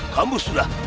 kamu sudah keok